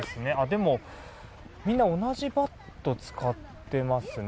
でも、みんな同じバットを使っていますね。